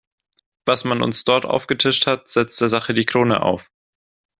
Was man uns dort aufgetischt hat, setzt der Sache die Krone auf!